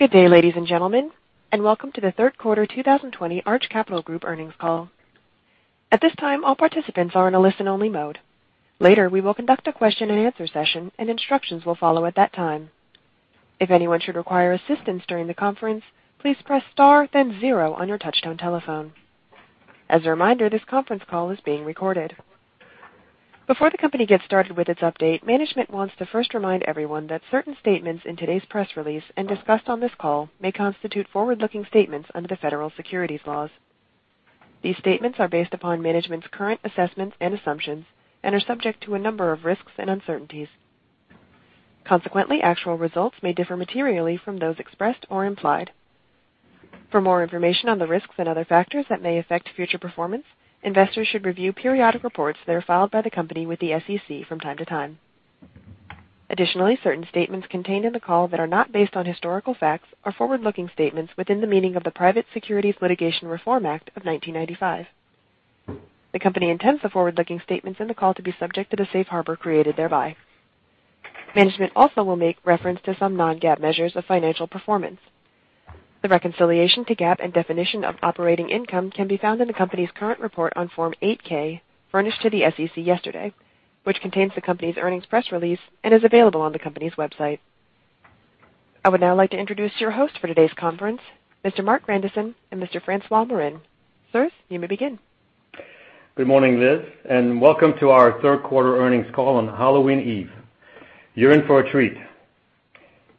Good day, ladies and gentlemen, and welcome to the third quarter 2020 Arch Capital Group earnings call. At this time, all participants are in a listen-only mode. Later, we will conduct a question-and-answer session, and instructions will follow at that time. If anyone should require assistance during the conference, please press star then zero on your touch-tone telephone. As a reminder, this conference call is being recorded. Before the company gets started with its update, management wants to first remind everyone that certain statements in today's press release and discussed on this call may constitute forward-looking statements under the federal securities laws. These statements are based upon management's current assessments and assumptions and are subject to a number of risks and uncertainties. Consequently, actual results may differ materially from those expressed or implied. For more information on the risks and other factors that may affect future performance, investors should review periodic reports that are filed by the company with the SEC from time to time. Additionally, certain statements contained in the call that are not based on historical facts are forward-looking statements within the meaning of the Private Securities Litigation Reform Act of 1995. The company intends the forward-looking statements in the call to be subject to the safe harbor created thereby. Management also will make reference to some non-GAAP measures of financial performance. The reconciliation to GAAP and definition of operating income can be found in the company's current report on Form 8-K, furnished to the SEC yesterday, which contains the company's earnings press release and is available on the company's website. I would now like to introduce your hosts for today's conference, Mr. Marc Grandisson and Mr. François Morin. Sir, you may begin. Good morning, Liz, and welcome to our third quarter earnings call on Halloween Eve. You're in for a treat.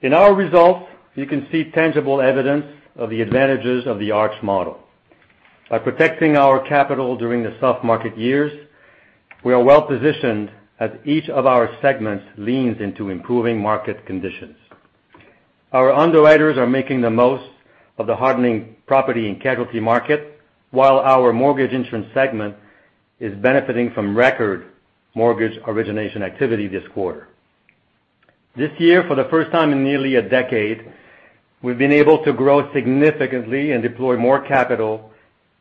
In our results, you can see tangible evidence of the advantages of the Arch model. By protecting our capital during the soft market years, we are well positioned as each of our segments leans into improving market conditions. Our underwriters are making the most of the hardening property and casualty market, while our mortgage insurance segment is benefiting from record mortgage origination activity this quarter. This year, for the first time in nearly a decade, we've been able to grow significantly and deploy more capital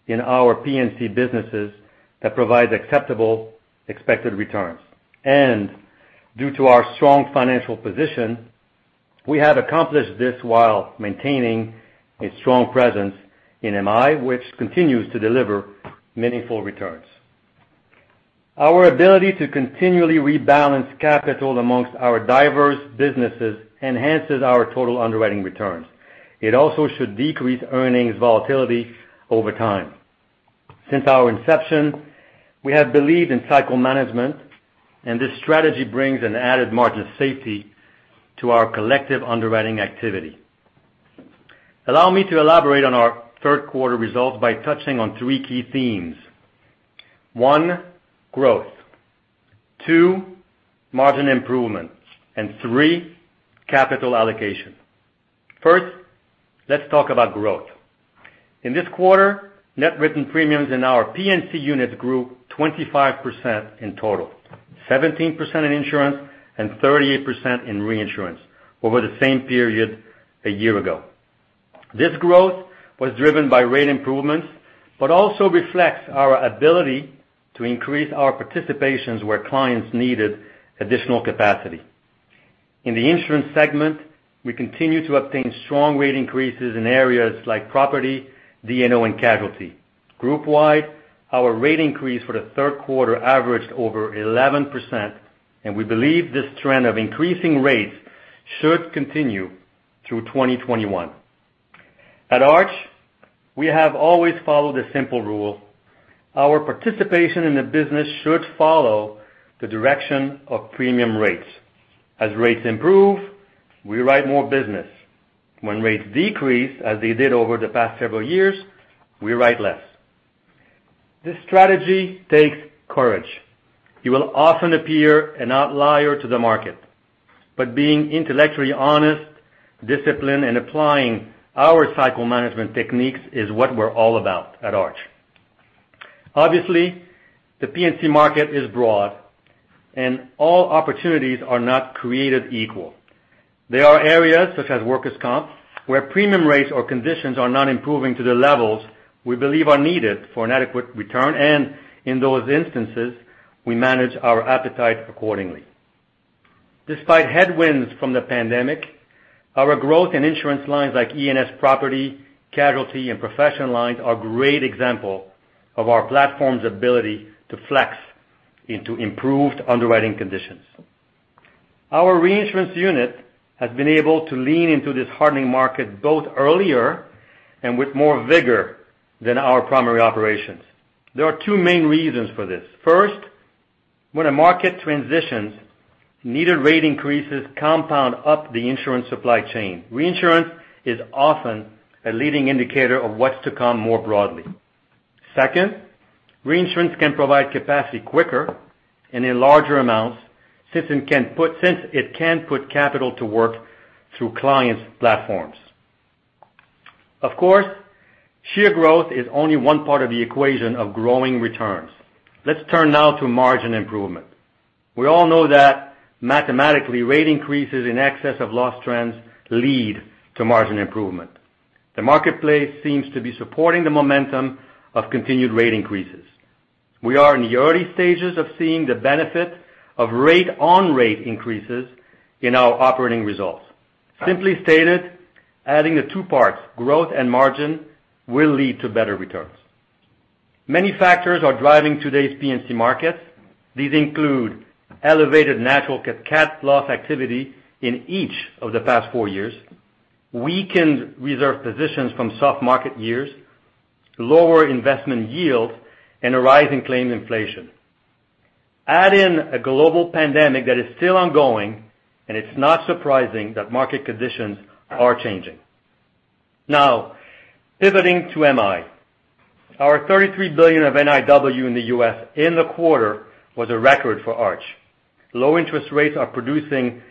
in our P&C businesses that provide acceptable expected returns. And due to our strong financial position, we have accomplished this while maintaining a strong presence in MI, which continues to deliver meaningful returns. Our ability to continually rebalance capital among our diverse businesses enhances our total underwriting returns. It also should decrease earnings volatility over time. Since our inception, we have believed in cycle management, and this strategy brings an added margin of safety to our collective underwriting activity. Allow me to elaborate on our third quarter results by touching on three key themes. One, growth. Two, margin improvement. And three, capital allocation. First, let's talk about growth. In this quarter, net written premiums in our P&C units grew 25% in total, 17% in insurance, and 38% in reinsurance over the same period a year ago. This growth was driven by rate improvements but also reflects our ability to increase our participations where clients needed additional capacity. In the insurance segment, we continue to obtain strong rate increases in areas like property, D&O, and casualty. Group-wide, our rate increase for the third quarter averaged over 11%, and we believe this trend of increasing rates should continue through 2021. At Arch, we have always followed the simple rule: our participation in the business should follow the direction of premium rates. As rates improve, we write more business. When rates decrease, as they did over the past several years, we write less. This strategy takes courage. You will often appear an outlier to the market, but being intellectually honest, disciplined, and applying our cycle management techniques is what we're all about at Arch. Obviously, the P&C market is broad, and all opportunities are not created equal. There are areas, such as workers' comp, where premium rates or conditions are not improving to the levels we believe are needed for an adequate return, and in those instances, we manage our appetite accordingly. Despite headwinds from the pandemic, our growth in insurance lines like E&S Property, Casualty, and Professional Lines are great examples of our platform's ability to flex into improved underwriting conditions. Our reinsurance unit has been able to lean into this hardening market both earlier and with more vigor than our primary operations. There are two main reasons for this. First, when a market transitions, needed rate increases compound up the insurance supply chain. Reinsurance is often a leading indicator of what's to come more broadly. Second, reinsurance can provide capacity quicker and in larger amounts since it can put capital to work through clients' platforms. Of course, sheer growth is only one part of the equation of growing returns. Let's turn now to margin improvement. We all know that, mathematically, rate increases in excess of loss trends lead to margin improvement. The marketplace seems to be supporting the momentum of continued rate increases. We are in the early stages of seeing the benefit of rate-on-rate increases in our operating results. Simply stated, adding the two parts, growth and margin, will lead to better returns. Many factors are driving today's P&C markets. These include elevated natural cat loss activity in each of the past four years, weakened reserve positions from soft market years, lower investment yields, and a rise in claims inflation. Add in a global pandemic that is still ongoing, and it's not surprising that market conditions are changing. Now, pivoting to MI, our $33 billion of NIW in the U.S. in the quarter was a record for Arch. Low interest rates are producing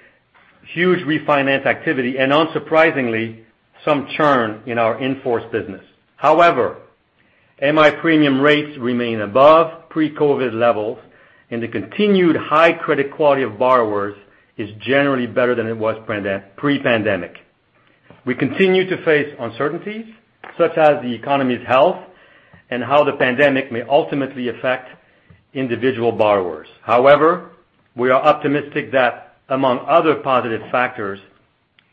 huge refinance activity and, unsurprisingly, some churn in our in-force business. However, MI premium rates remain above pre-COVID levels, and the continued high credit quality of borrowers is generally better than it was pre-pandemic. We continue to face uncertainties such as the economy's health and how the pandemic may ultimately affect individual borrowers. However, we are optimistic that, among other positive factors,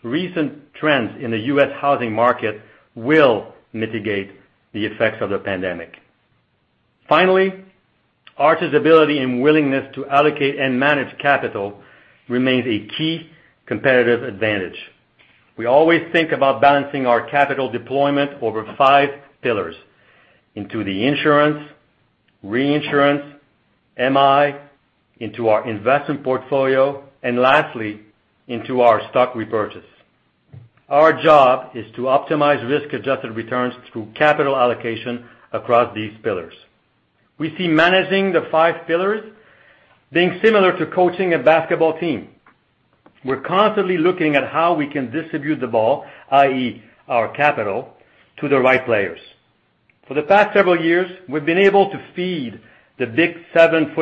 recent trends in the U.S. housing market will mitigate the effects of the pandemic. Finally, Arch's ability and willingness to allocate and manage capital remains a key competitive advantage. We always think about balancing our capital deployment over five pillars: into the insurance, reinsurance, MI, into our investment portfolio, and lastly, into our stock repurchase. Our job is to optimize risk-adjusted returns through capital allocation across these pillars. We see managing the five pillars being similar to coaching a basketball team. We're constantly looking at how we can distribute the ball, i.e., our capital, to the right players. For the past several years, we've been able to feed the big 7'7"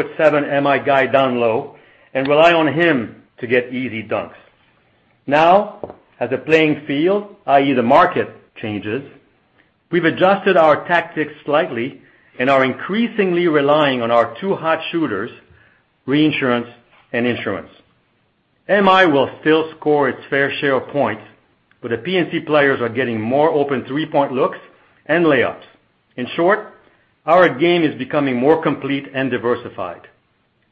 MI guy down low and rely on him to get easy dunks. Now, as the playing field, i.e., the market, changes, we've adjusted our tactics slightly and are increasingly relying on our two hot shooters, reinsurance and insurance. MI will still score its fair share of points, but the P&C players are getting more open three-point looks and layups. In short, our game is becoming more complete and diversified.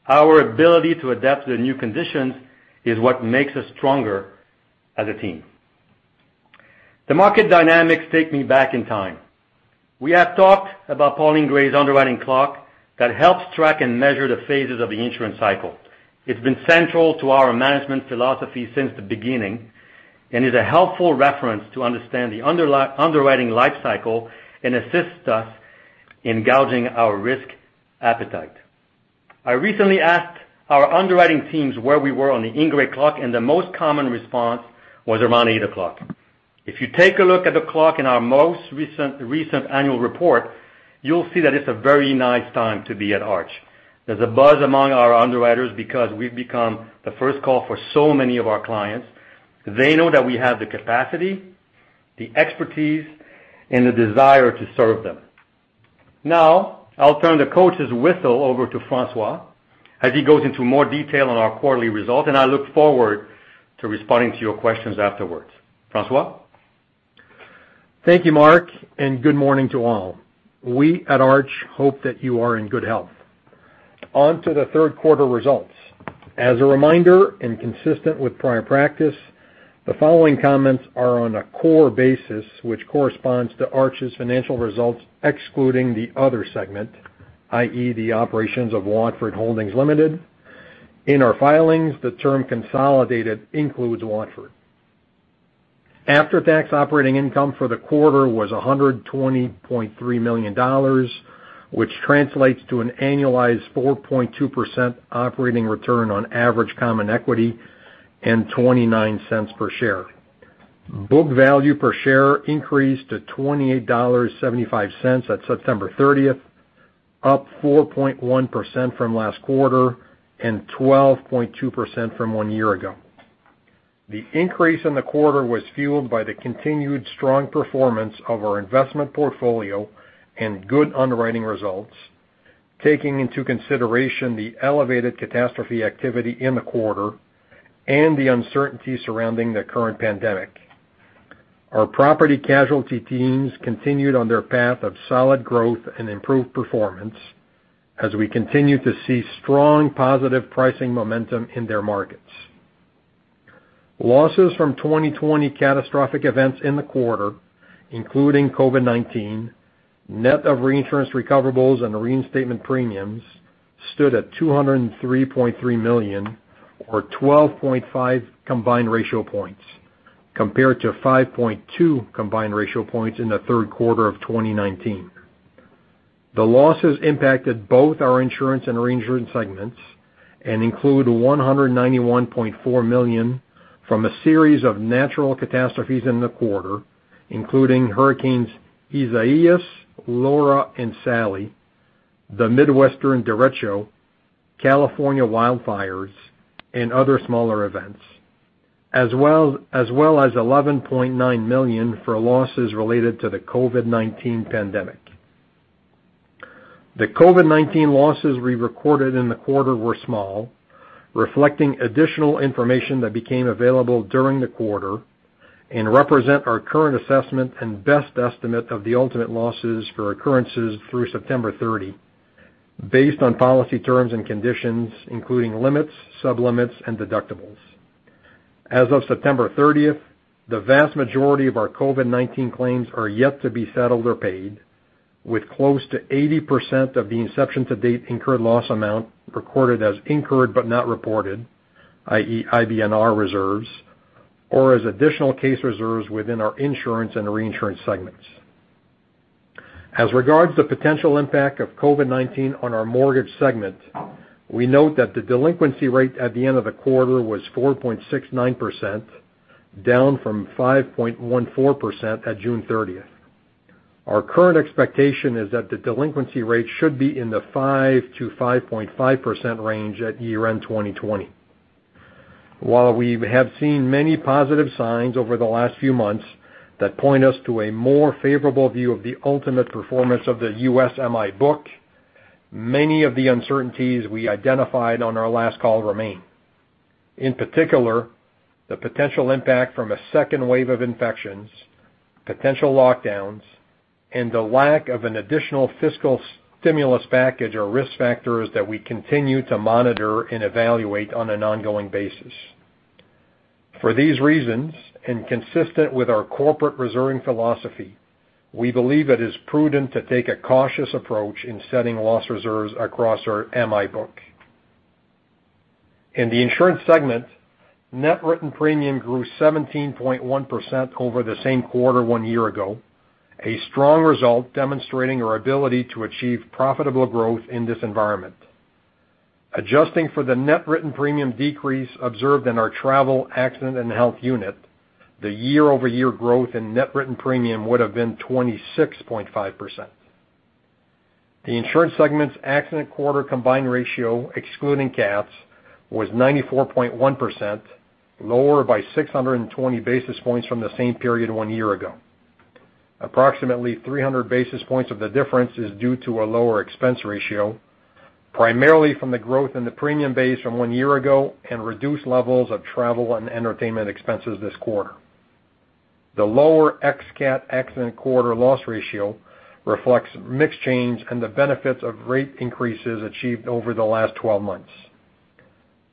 Our ability to adapt to the new conditions is what makes us stronger as a team. The market dynamics take me back in time. We have talked about Paul Ingrey's Ingrey Clock that helps track and measure the phases of the insurance cycle. It's been central to our management philosophy since the beginning and is a helpful reference to understand the underwriting life cycle and assists us in gauging our risk appetite. I recently asked our underwriting teams where we were on the Ingrey Clock, and the most common response was around eight o'clock. If you take a look at the clock in our most recent annual report, you'll see that it's a very nice time to be at Arch. There's a buzz among our underwriters because we've become the first call for so many of our clients. They know that we have the capacity, the expertise, and the desire to serve them. Now, I'll turn the coach's whistle over to François as he goes into more detail on our quarterly results, and I look forward to responding to your questions afterwards. François? Thank you, Marc, and good morning to all. We at Arch hope that you are in good health. On to the third quarter results. As a reminder and consistent with prior practice, the following comments are on a core basis, which corresponds to Arch's financial results excluding the other segment, i.e., the operations of Watford Holdings Limited. In our filings, the term consolidated includes Watford. After-tax operating income for the quarter was $120.3 million, which translates to an annualized 4.2% operating return on average common equity and $0.29 per share. Book value per share increased to $28.75 at September 30th, up 4.1% from last quarter and 12.2% from one year ago. The increase in the quarter was fueled by the continued strong performance of our investment portfolio and good underwriting results, taking into consideration the elevated catastrophe activity in the quarter and the uncertainty surrounding the current pandemic. Our property casualty teams continued on their path of solid growth and improved performance as we continue to see strong positive pricing momentum in their markets. Losses from 2020 catastrophic events in the quarter, including COVID-19, net of reinsurance recoverables and reinstatement premiums, stood at $203.3 million or 12.5 combined ratio points compared to 5.2 combined ratio points in the third quarter of 2019. The losses impacted both our insurance and reinsurance segments and include $191.4 million from a series of natural catastrophes in the quarter, including Hurricanes Isaias, Laura, and Sally, the Midwestern Derecho, California wildfires, and other smaller events, as well as $11.9 million for losses related to the COVID-19 pandemic. The COVID-19 losses we recorded in the quarter were small, reflecting additional information that became available during the quarter and represent our current assessment and best estimate of the ultimate losses for occurrences through September 30, based on policy terms and conditions, including limits, sublimits, and deductibles. As of September 30th, the vast majority of our COVID-19 claims are yet to be settled or paid, with close to 80% of the inception-to-date incurred loss amount recorded as incurred but not reported, i.e., IBNR reserves, or as additional case reserves within our insurance and reinsurance segments. As regards the potential impact of COVID-19 on our mortgage segment, we note that the delinquency rate at the end of the quarter was 4.69%, down from 5.14% at June 30th. Our current expectation is that the delinquency rate should be in the 5%-5.5% range at year-end 2020. While we have seen many positive signs over the last few months that point us to a more favorable view of the ultimate performance of the U.S. MI book, many of the uncertainties we identified on our last call remain. In particular, the potential impact from a second wave of infections, potential lockdowns, and the lack of an additional fiscal stimulus package are risk factors that we continue to monitor and evaluate on an ongoing basis. For these reasons, and consistent with our corporate reserving philosophy, we believe it is prudent to take a cautious approach in setting loss reserves across our MI book. In the insurance segment, net written premium grew 17.1% over the same quarter one year ago, a strong result demonstrating our ability to achieve profitable growth in this environment. Adjusting for the net written premium decrease observed in our Travel, Accident, and Health unit, the year-over-year growth in net written premium would have been 26.5%. The insurance segment's accident year combined ratio, excluding cats, was 94.1%, lower by 620 basis points from the same period one year ago. Approximately 300 basis points of the difference is due to a lower expense ratio, primarily from the growth in the premium base from one year ago and reduced levels of travel and entertainment expenses this quarter. The lower ex-cat accident year loss ratio reflects modest change and the benefits of rate increases achieved over the last 12 months.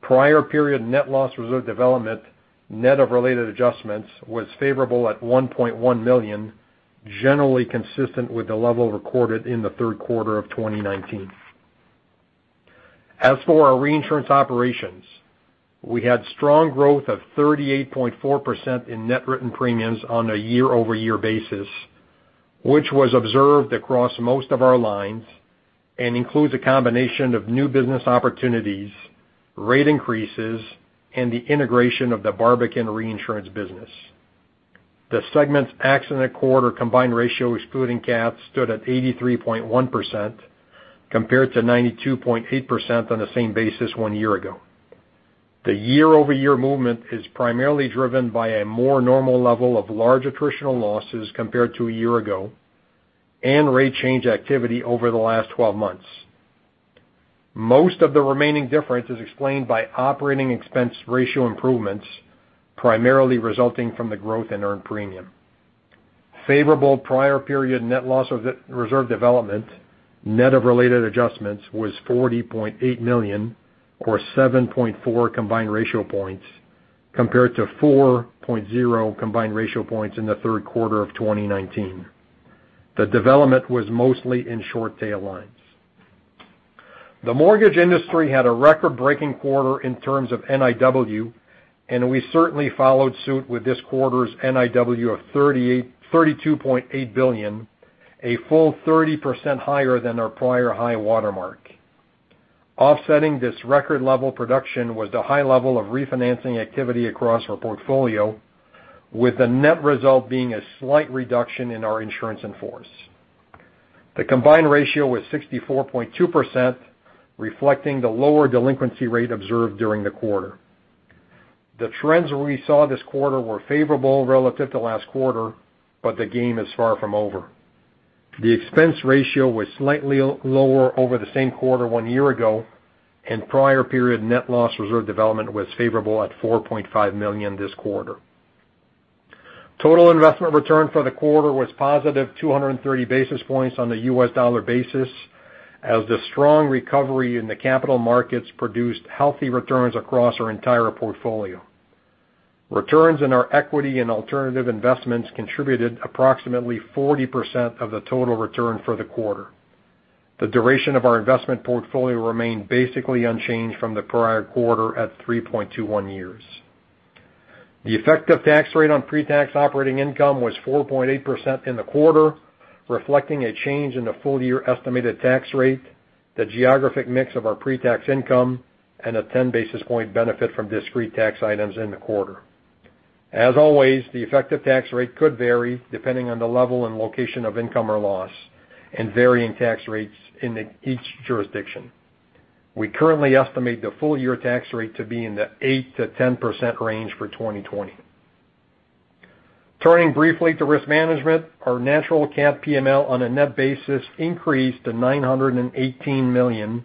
Prior period net loss reserve development, net of related adjustments, was favorable at $1.1 million, generally consistent with the level recorded in the third quarter of 2019. As for our reinsurance operations, we had strong growth of 38.4% in net written premiums on a year-over-year basis, which was observed across most of our lines and includes a combination of new business opportunities, rate increases, and the integration of the Barbican reinsurance business. The segment's accident year combined ratio, excluding cats, stood at 83.1% compared to 92.8% on the same basis one year ago. The year-over-year movement is primarily driven by a more normal level of large attritional losses compared to a year ago and rate change activity over the last 12 months. Most of the remaining difference is explained by operating expense ratio improvements, primarily resulting from the growth in earned premium. Favorable prior period net loss reserve development, net of related adjustments, was $40.8 million or 7.4 combined ratio points compared to 4.0 combined ratio points in the third quarter of 2019. The development was mostly in short-tail lines. The mortgage industry had a record-breaking quarter in terms of NIW, and we certainly followed suit with this quarter's NIW of $32.8 billion, a full 30% higher than our prior high watermark. Offsetting this record-level production was the high level of refinancing activity across our portfolio, with the net result being a slight reduction in our insurance in force. The combined ratio was 64.2%, reflecting the lower delinquency rate observed during the quarter. The trends we saw this quarter were favorable relative to last quarter, but the game is far from over. The expense ratio was slightly lower over the same quarter one year ago, and prior period net loss reserve development was favorable at $4.5 million this quarter. Total investment return for the quarter was positive 230 basis points on the U.S. dollar basis, as the strong recovery in the capital markets produced healthy returns across our entire portfolio. Returns in our equity and alternative investments contributed approximately 40% of the total return for the quarter. The duration of our investment portfolio remained basically unchanged from the prior quarter at 3.21 years. The effective tax rate on pre-tax operating income was 4.8% in the quarter, reflecting a change in the full-year estimated tax rate, the geographic mix of our pre-tax income, and a 10 basis point benefit from discrete tax items in the quarter. As always, the effective tax rate could vary depending on the level and location of income or loss and varying tax rates in each jurisdiction. We currently estimate the full-year tax rate to be in the 8%-10% range for 2020. Turning briefly to risk management, our natural cat PML on a net basis increased to $918 million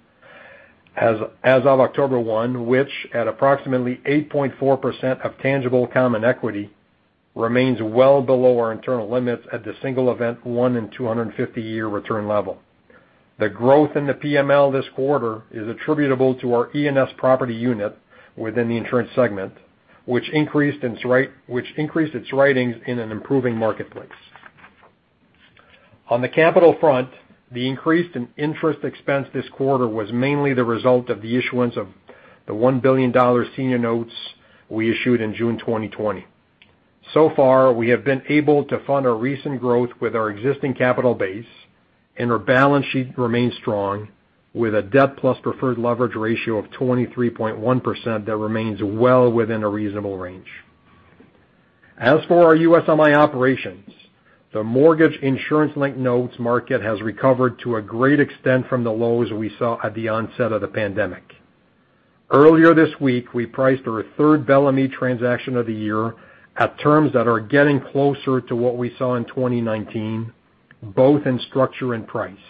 as of October 1, which, at approximately 8.4% of tangible common equity, remains well below our internal limits at the single event 1 in 250-year return level. The growth in the PML this quarter is attributable to our E&S Property unit within the Insurance segment, which increased its ratings in an improving marketplace. On the capital front, the increase in interest expense this quarter was mainly the result of the issuance of the $1 billion senior notes we issued in June 2020. So far, we have been able to fund our recent growth with our existing capital base, and our balance sheet remains strong with a debt plus preferred leverage ratio of 23.1% that remains well within a reasonable range. As for our U.S. MI operations, the mortgage insurance-linked notes market has recovered to a great extent from the lows we saw at the onset of the pandemic. Earlier this week, we priced our third Bellemeade Re transaction of the year at terms that are getting closer to what we saw in 2019, both in structure and price.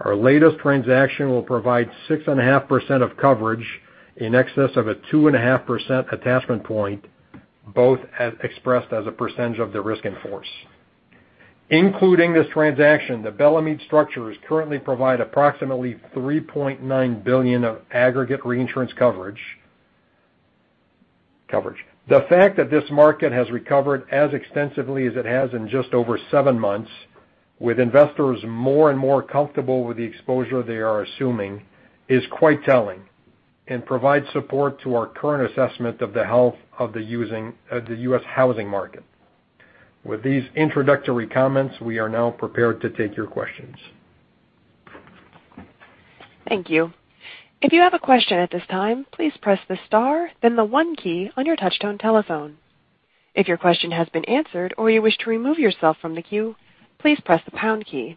Our latest transaction will provide 6.5% of coverage in excess of a 2.5% attachment point, both expressed as a percentage of the risk in force. Including this transaction, the Bellemeade Re structures currently provide approximately $3.9 billion of aggregate reinsurance coverage. The fact that this market has recovered as extensively as it has in just over seven months, with investors more and more comfortable with the exposure they are assuming, is quite telling and provides support to our current assessment of the health of the U.S. housing market. With these introductory comments, we are now prepared to take your questions. Thank you. If you have a question at this time, please press the star, then the one key on your touch-tone telephone. If your question has been answered or you wish to remove yourself from the queue, please press the pound key.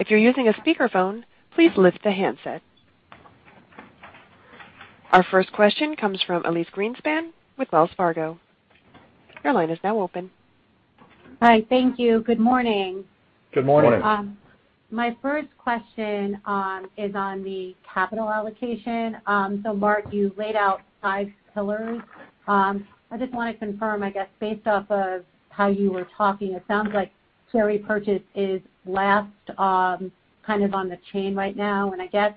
If you're using a speakerphone, please lift the handset. Our first question comes from Elyse Greenspan with Wells Fargo. Your line is now open. Hi. Thank you. Good morning. Good morning. My first question is on the capital allocation. So Marc, you laid out five pillars. I just want to confirm, I guess, based off of how you were talking, it sounds like share repurchase is last kind of on the chain right now. And I guess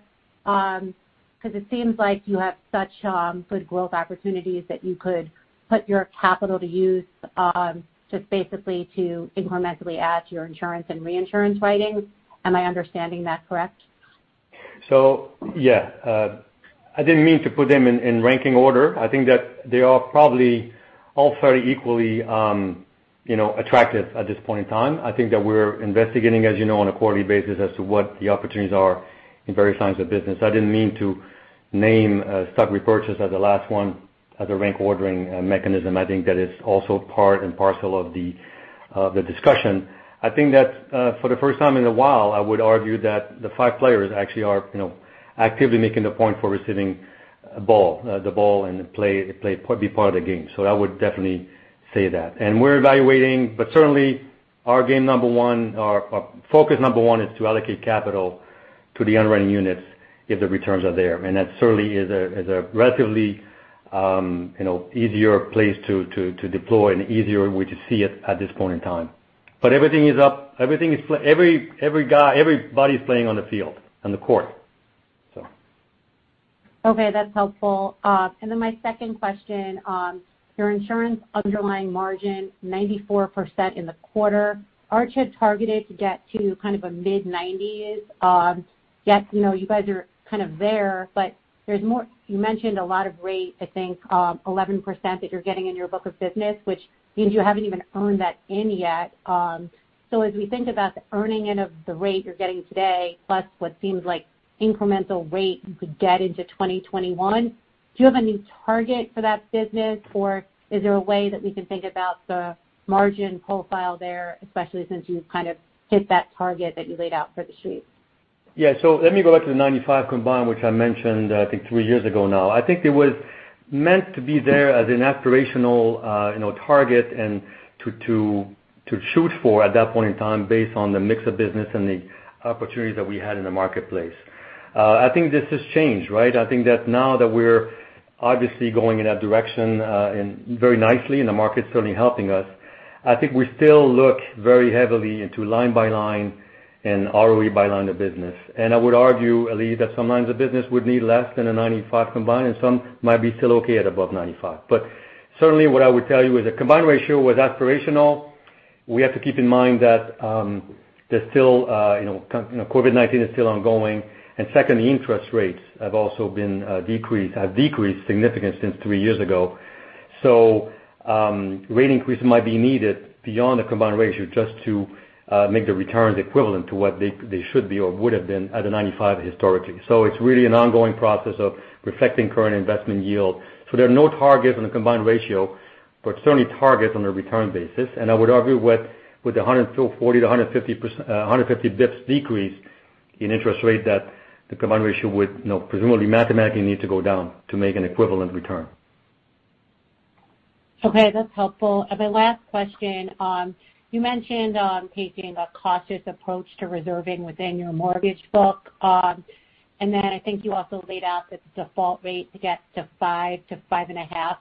because it seems like you have such good growth opportunities that you could put your capital to use just basically to incrementally add to your insurance and reinsurance writing. Am I understanding that correct? So yeah, I didn't mean to put them in ranking order. I think that they are probably all fairly equally attractive at this point in time. I think that we're investigating, as you know, on a quarterly basis as to what the opportunities are in various lines of business. I didn't mean to name stock repurchase as the last one as a rank ordering mechanism. I think that is also part and parcel of the discussion. I think that for the first time in a while, I would argue that the five players actually are actively making the point for receiving the ball and be part of the game. So I would definitely say that. And we're evaluating, but certainly our game number one, our focus number one is to allocate capital to the underwriting units if the returns are there. And that certainly is a relatively easier place to deploy and easier way to see it at this point in time. But everything is up. Everybody's playing on the field, on the court, so. Okay. That's helpful, and then my second question: your insurance underlying margin, 94% in the quarter. Are you targeting it to get to kind of a mid-90s? Yet, you guys are kind of there, but you mentioned a lot of rate, I think 11% that you're getting in your book of business, which means you haven't even earned that in yet, so as we think about the earning in of the rate you're getting today, plus what seems like incremental rate you could get into 2021, do you have a new target for that business, or is there a way that we can think about the margin profile there, especially since you've kind of hit that target that you laid out for the street? Yeah. So let me go back to the 95% combined, which I mentioned, I think, three years ago now. I think it was meant to be there as an aspirational target and to shoot for at that point in time based on the mix of business and the opportunities that we had in the marketplace. I think this has changed, right? I think that now that we're obviously going in that direction very nicely and the market's certainly helping us, I think we still look very heavily into line by line and ROE by line of business. And I would argue, Elyse, that some lines of business would need less than a 95% combined, and some might be still okay at above 95. But certainly what I would tell you is a combined ratio was aspirational. We have to keep in mind that COVID-19 is still ongoing. And second, the interest rates have also been decreased, have decreased significantly since three years ago. So rate increases might be needed beyond the combined ratio just to make the returns equivalent to what they should be or would have been at a 95% historically. So it's really an ongoing process of reflecting current investment yield. So there are no targets on the combined ratio, but certainly targets on a return basis. And I would argue with the 140 basis points-150 basis points decrease in interest rate that the combined ratio would presumably mathematically need to go down to make an equivalent return. Okay. That's helpful. And my last question, you mentioned taking a cautious approach to reserving within your mortgage book. And then I think you also laid out that the default rate gets to 5%-5.5%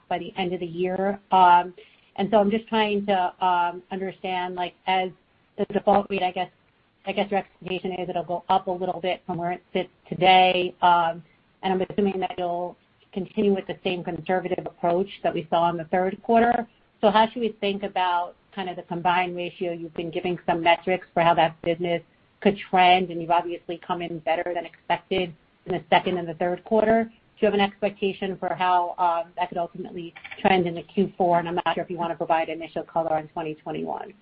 by the end of the year. And so I'm just trying to understand, as the default rate, I guess your expectation is it'll go up a little bit from where it sits today. And I'm assuming that you'll continue with the same conservative approach that we saw in the third quarter. So how should we think about kind of the combined ratio? You've been giving some metrics for how that business could trend, and you've obviously come in better than expected in the second and the third quarter. Do you have an expectation for how that could ultimately trend in the Q4? I'm not sure if you want to provide initial color on 2021.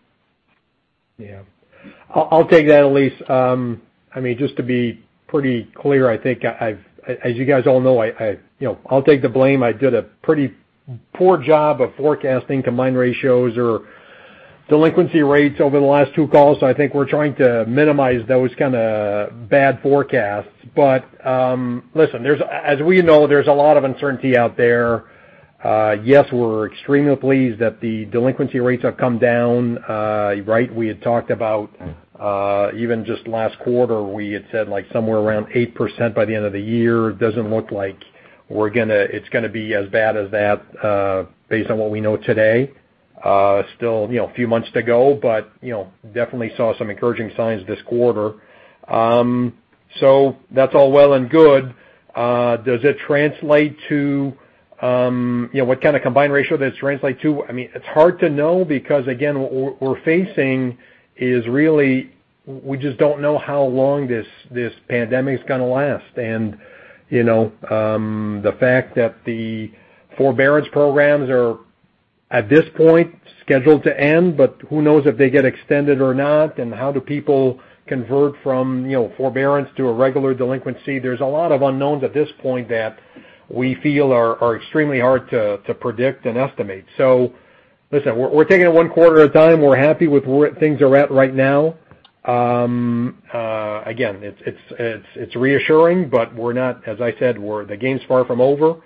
Yeah. I'll take that, Elyse. I mean, just to be pretty clear, I think, as you guys all know, I'll take the blame. I did a pretty poor job of forecasting combined ratios or delinquency rates over the last two calls. So I think we're trying to minimize those kind of bad forecasts. But listen, as we know, there's a lot of uncertainty out there. Yes, we're extremely pleased that the delinquency rates have come down, right? We had talked about even just last quarter, we had said somewhere around 8% by the end of the year. It doesn't look like it's going to be as bad as that based on what we know today. Still a few months to go, but definitely saw some encouraging signs this quarter. So that's all well and good. Does it translate to what kind of combined ratio does it translate to? I mean, it's hard to know because, again, what we're facing is really we just don't know how long this pandemic is going to last. And the fact that the forbearance programs are at this point scheduled to end, but who knows if they get extended or not, and how do people convert from forbearance to a regular delinquency? There's a lot of unknowns at this point that we feel are extremely hard to predict and estimate. So listen, we're taking one quarter of time. We're happy with where things are at right now. Again, it's reassuring, but we're not, as I said, the game's far from over.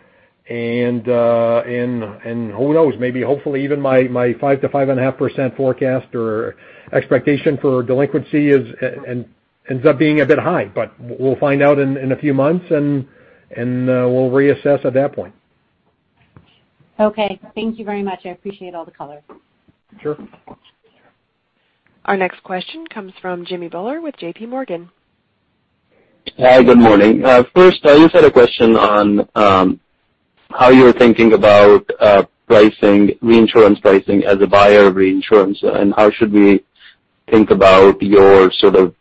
And who knows? Maybe hopefully even my 5%-5.5% forecast or expectation for delinquency ends up being a bit high, but we'll find out in a few months, and we'll reassess at that point. Okay. Thank you very much. I appreciate all the color. Sure. Our next question comes from Jimmy Bhullar with JPMorgan. Hi. Good morning. First, I just had a question on how you're thinking about reinsurance pricing as a buyer of reinsurance, and how should we think about your sort of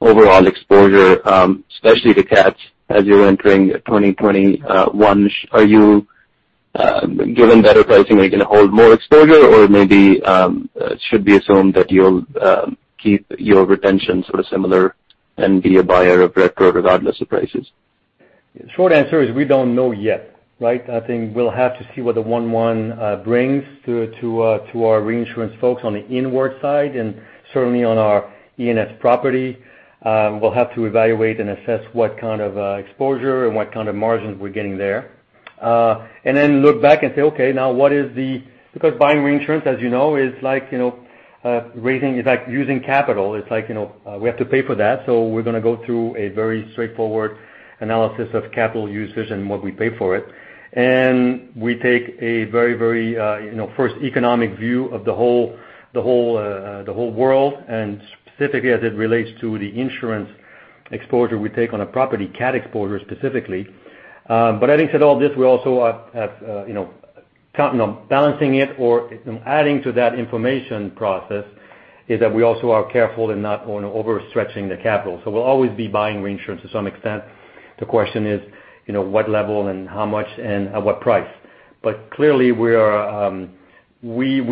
overall exposure, especially to cats as you're entering 2021? Are you given better pricing, are you going to hold more exposure, or maybe it should be assumed that you'll keep your retention sort of similar and be a buyer of Retro regardless of prices? Short answer is we don't know yet, right? I think we'll have to see what the 1-1 brings to our reinsurance folks on the inward side and certainly on our E&S property. We'll have to evaluate and assess what kind of exposure and what kind of margins we're getting there. And then look back and say, "Okay, now what is the-" because buying reinsurance, as you know, is like raising-it's like using capital. It's like we have to pay for that. So we're going to go through a very straightforward analysis of capital usage and what we pay for it. And we take a very, very first economic view of the whole world and specifically as it relates to the insurance exposure we take on a property, cat exposure specifically. But having said all this, we also have balancing it or adding to that information process is that we also are careful and not overstretching the capital. So we'll always be buying reinsurance to some extent. The question is what level and how much and at what price. But clearly, we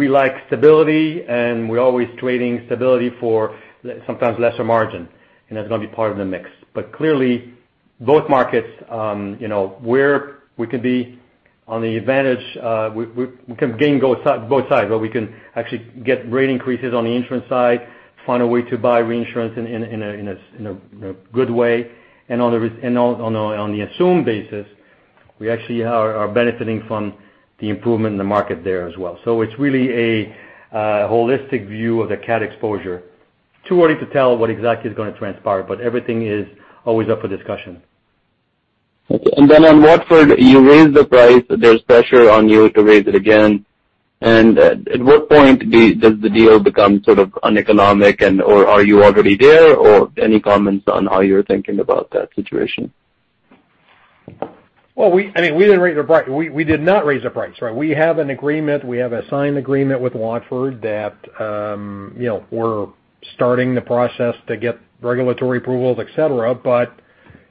like stability, and we're always trading stability for sometimes lesser margin, and that's going to be part of the mix. But clearly, both markets, we can be on the advantage. We can gain both sides, but we can actually get rate increases on the insurance side, find a way to buy reinsurance in a good way. And on the assumed basis, we actually are benefiting from the improvement in the market there as well. So it's really a holistic view of the cat exposure. Too early to tell what exactly is going to transpire, but everything is always up for discussion. And then on what for you raise the price, there's pressure on you to raise it again. And at what point does the deal become sort of uneconomic, or are you already there, or any comments on how you're thinking about that situation? I mean, we didn't raise a price. We did not raise a price, right? We have an agreement. We have a signed agreement with Watford that we're starting the process to get regulatory approvals, etc. But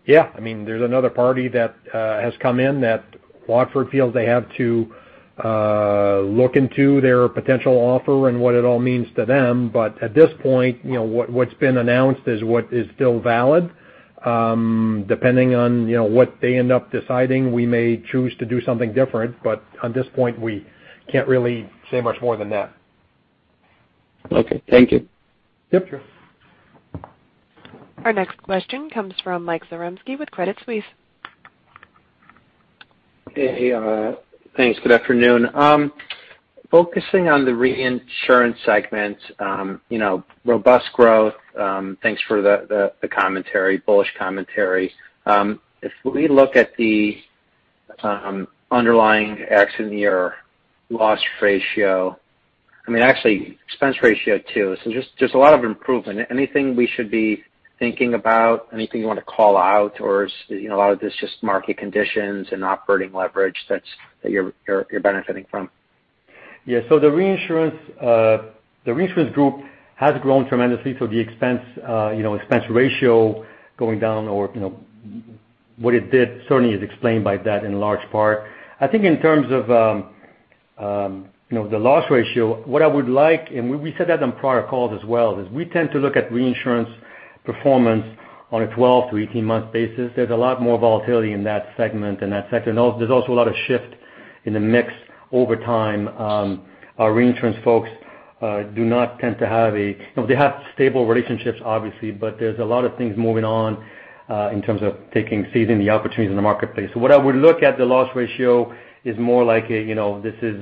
yeah, I mean, there's another party that has come in that Watford feels they have to look into their potential offer and what it all means to them. But at this point, what's been announced is what is still valid. Depending on what they end up deciding, we may choose to do something different. But at this point, we can't really say much more than that. Okay. Thank you. Yep. Our next question comes from Mike Zaremski with Credit Suisse. Hey. Thanks. Good afternoon. Focusing on the reinsurance segment, robust growth. Thanks for the commentary, bullish commentary. If we look at the underlying ex-cat in your loss ratio, I mean, actually expense ratio too, so just a lot of improvement. Anything we should be thinking about? Anything you want to call out, or is a lot of this just market conditions and operating leverage that you're benefiting from? Yeah. So the reinsurance group has grown tremendously. So the expense ratio going down or what it did certainly is explained by that in large part. I think in terms of the loss ratio, what I would like, and we said that on prior calls as well, is we tend to look at reinsurance performance on a 12-18-. There's a lot more volatility in that segment and that sector. There's also a lot of shift in the mix over time. Our reinsurance folks do not tend to have a - they have stable relationships, obviously, but there's a lot of things moving on in terms of seizing the opportunities in the marketplace. So what I would look at, the loss ratio is more like this is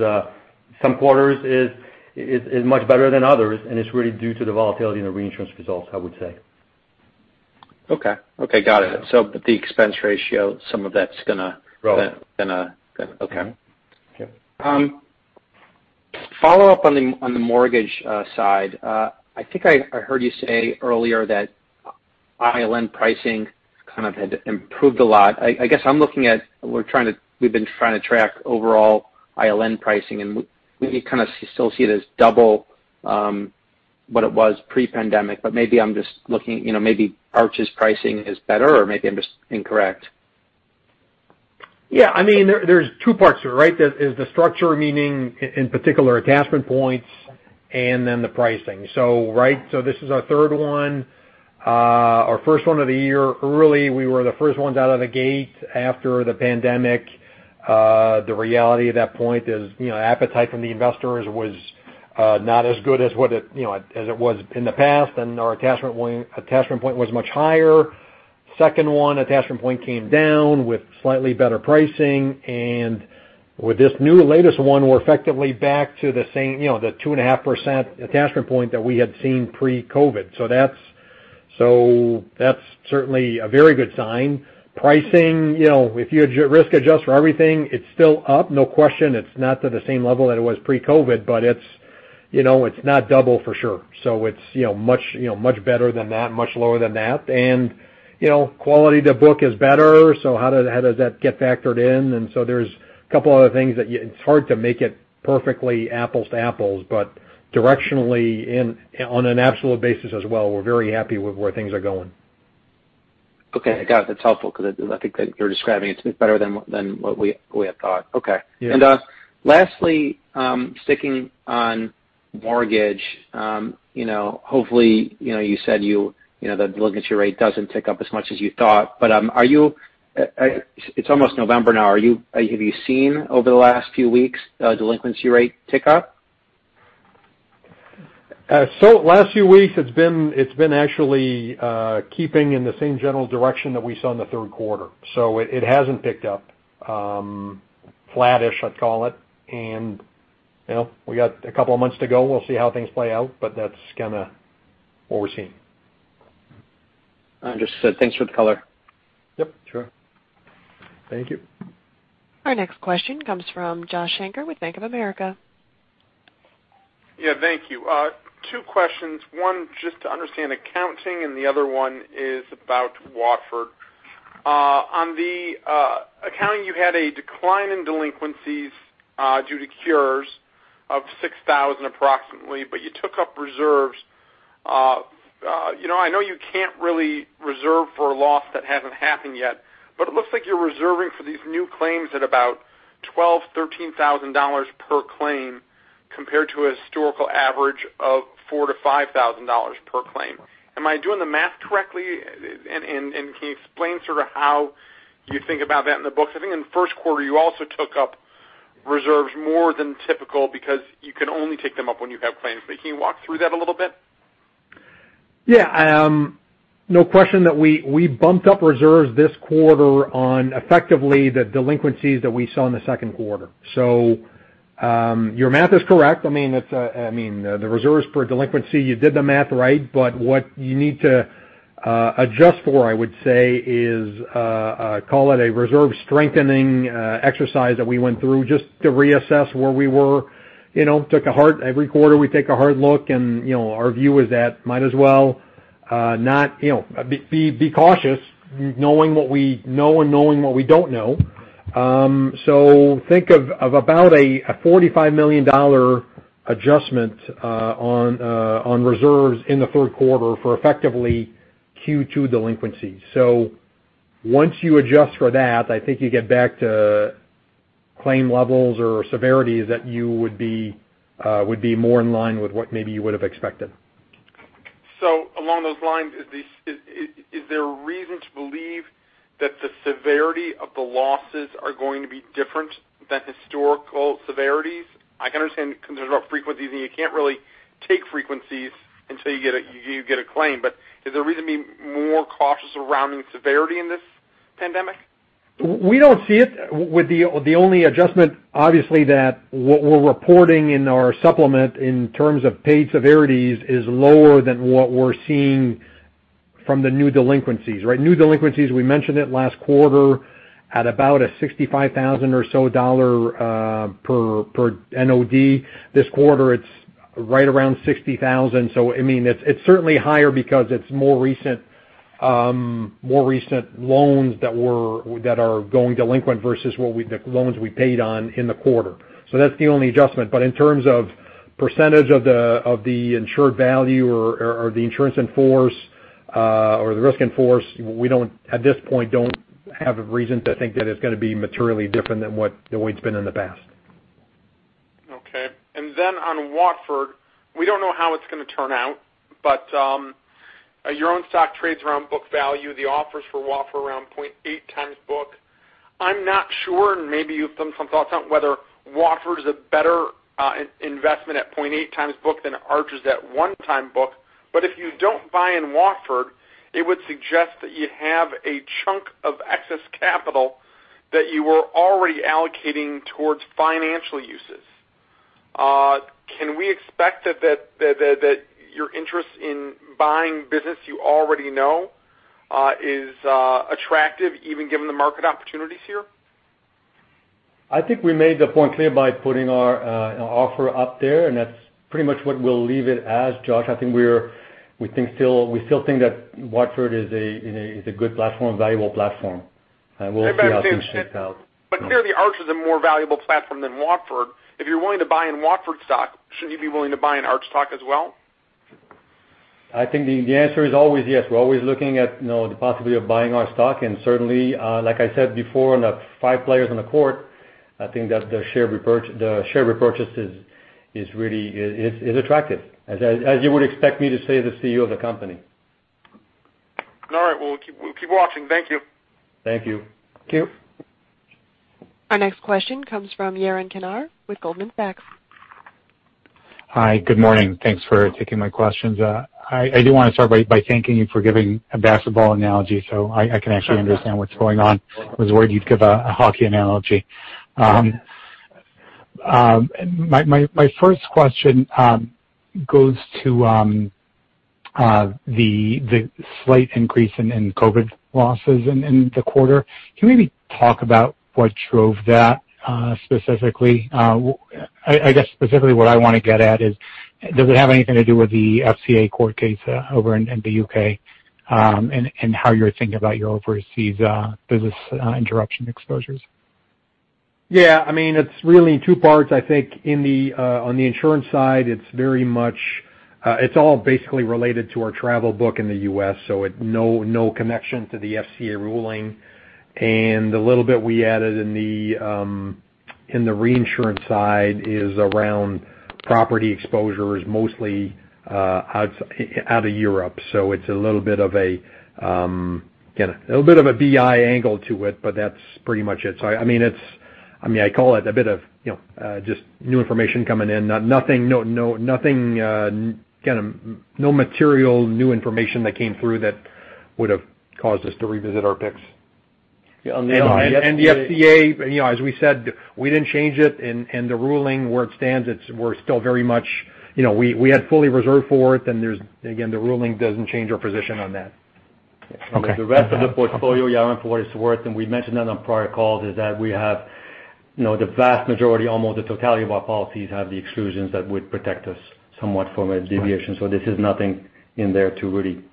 some quarters is much better than others, and it's really due to the volatility in the reinsurance results, I would say. Okay. Got it. So the expense ratio, some of that's going to okay. Right. Yep. Follow-up on the mortgage side. I think I heard you say earlier that ILN pricing kind of had improved a lot. I guess I'm looking at. We've been trying to track overall ILN pricing, and we kind of still see it as double what it was pre-pandemic, but maybe I'm just looking, maybe Arch's pricing is better, or maybe I'm just incorrect. Yeah. I mean, there's two parts to it, right? There's the structure, meaning in particular attachment points, and then the pricing. So right? So this is our third one. Our first one of the year early, we were the first ones out of the gate after the pandemic. The reality at that point is appetite from the investors was not as good as what it was in the past, and our attachment point was much higher. Second one, attachment point came down with slightly better pricing. And with this new latest one, we're effectively back to the same 2.5% attachment point that we had seen pre-COVID. So that's certainly a very good sign. Pricing, if you risk adjust for everything, it's still up. No question. It's not to the same level that it was pre-COVID, but it's not double for sure. So it's much better than that, much lower than that. And quality to book is better. So how does that get factored in? And so there's a couple of other things that it's hard to make it perfectly apples to apples, but directionally on an absolute basis as well, we're very happy with where things are going. Okay. Got it. That's helpful because I think that you're describing it's better than what we had thought. Okay. And lastly, sticking on mortgage, hopefully you said that the delinquency rate doesn't tick up as much as you thought, but are you? It's almost November now. Have you seen over the last few weeks delinquency rate tick up? So, last few weeks, it's been actually keeping in the same general direction that we saw in the third quarter. So it hasn't picked up, flattish I'd call it. And we got a couple of months to go. We'll see how things play out, but that's kind of what we're seeing. Understood. Thanks for the color. Yep. Sure. Thank you. Our next question comes from Josh Shanker with Bank of America. Yeah. Thank you. Two questions. One just to understand accounting, and the other one is about Watford. On the accounting, you had a decline in delinquencies due to cures of 6,000 approximately, but you took up reserves. I know you can't really reserve for a loss that hasn't happened yet, but it looks like you're reserving for these new claims at about $12,000-$13,000 per claim compared to a historical average of $4,000-$5,000 per claim. Am I doing the math correctly, and can you explain sort of how you think about that in the books? I think in the first quarter, you also took up reserves more than typical because you can only take them up when you have claims. But can you walk through that a little bit? Yeah. No question that we bumped up reserves this quarter on effectively the delinquencies that we saw in the second quarter. So your math is correct. I mean, the reserves per delinquency, you did the math right, but what you need to adjust for, I would say, is call it a reserve strengthening exercise that we went through just to reassess where we were. Every quarter, we take a hard look, and our view is that might as well not be cautious knowing what we know and knowing what we don't know. So think of about a $45 million adjustment on reserves in the third quarter for effectively Q2 delinquencies. So once you adjust for that, I think you get back to claim levels or severities that you would be more in line with what maybe you would have expected. So along those lines, is there a reason to believe that the severity of the losses are going to be different than historical severities? I can understand concerns about frequencies, and you can't really take frequencies until you get a claim, but is there a reason to be more cautious surrounding severity in this pandemic? We don't see it. The only adjustment, obviously, that we're reporting in our supplement in terms of paid severities is lower than what we're seeing from the new delinquencies, right? New delinquencies, we mentioned it last quarter at about a $65,000 or so per NOD. This quarter, it's right around $60,000. So I mean, it's certainly higher because it's more recent loans that are going delinquent versus the loans we paid on in the quarter. So that's the only adjustment. But in terms of percentage of the insured value or the insurance in force or the risk in force, we at this point don't have a reason to think that it's going to be materially different than the way it's been in the past. Okay. And then on Watford, we don't know how it's going to turn out, but your own stock trades around book value. The offers for Watford are around 0.8x book. I'm not sure, and maybe you've done some thoughts on whether Watford is a better investment at 0.8x book than Arch is at 1x book. But if you don't buy in Watford, it would suggest that you have a chunk of excess capital that you were already allocating towards financial uses. Can we expect that your interest in buying business you already know is attractive, even given the market opportunities here? I think we made the point clear by putting our offer up there, and that's pretty much what we'll leave it as. Josh, I think we still think that Watford is a good platform, valuable platform, and we'll see how things shake out. But clearly, Arch is a more valuable platform than Watford. If you're willing to buy in Watford stock, shouldn't you be willing to buy in Arch stock as well? I think the answer is always yes. We're always looking at the possibility of buying our stock. And certainly, like I said before, on the five players on the court, I think that the share repurchase is attractive, as you would expect me to say as the CEO of the company. All right. Well, we'll keep watching. Thank you. Thank you. Thank you. Our next question comes from Yaron Kinar with Goldman Sachs. Hi. Good morning. Thanks for taking my questions. I do want to start by thanking you for giving a basketball analogy, so I can actually understand what's going on. I was worried you'd give a hockey analogy. My first question goes to the slight increase in COVID losses in the quarter. Can we maybe talk about what drove that specifically? I guess specifically what I want to get at is, does it have anything to do with the FCA court case over in the U.K. and how you're thinking about your overseas business interruption exposures? Yeah. I mean, it's really two parts. I think on the insurance side, it's all basically related to our travel book in the U.S., so no connection to the FCA ruling. And the little bit we added in the reinsurance side is around property exposures, mostly out of Europe. So it's a little bit of a BI angle to it, but that's pretty much it. So I mean, I call it a bit of just new information coming in. Nothing, no material new information that came through that would have caused us to revisit our picks. Yeah. On the other hand. And the FCA, as we said, we didn't change it. And the ruling, where it stands, we're still very much we had fully reserved for it, and again, the ruling doesn't change our position on that. The rest of the portfolio, Yaron for what it's worth, and we mentioned that on prior calls, is that we have the vast majority, almost the totality of our policies have the exclusions that would protect us somewhat from a deviation. So this is nothing in there to really